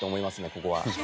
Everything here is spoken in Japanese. ここは。